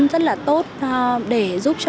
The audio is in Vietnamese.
rất tốt để giúp cho